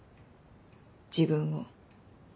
自分を。